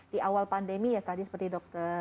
di awal pandemi ya tadi seperti dokter